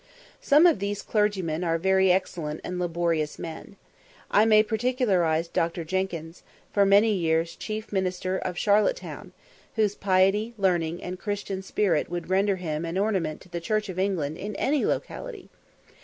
Some of these clergymen are very excellent and laborious men. I may particularise Dr. Jenkins, for many years chief minister of Charlotte Town, whose piety, learning, and Christian spirit would render him an ornament to the Church of England in any locality.